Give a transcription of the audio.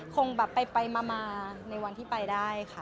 คงแบบไปมาในวันที่ไปได้ค่ะ